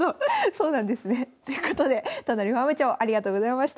そうなんですね。ということで都成ファーム長ありがとうございました。